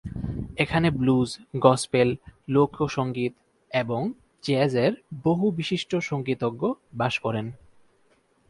এখানে blues, gospel, লোক সংগীত এবং জ্যাজ এর বহু বিশিষ্ট সংগীতজ্ঞ বাস করেন।